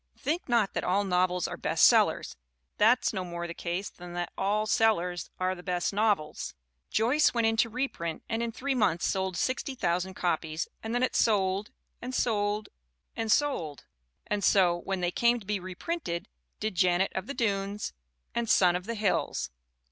Think not that all novels are best sell ers. That's no more the case than that all the sellers are the best novels. Joyce went into reprint and in three months sold 60,000 copies and then it sold and sold and sold; and so, when they came to be reprinted, did Janet of the Dunes and A Son of the Hills.